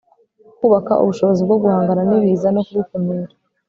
kubaka ubushobozi bwo guhangana n'ibiza no kubikumira